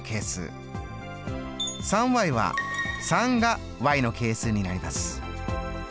３は３がの係数になります。